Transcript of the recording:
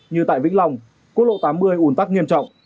như tại vĩnh long quốc lộ tám mươi ủn tắc nghiêm trọng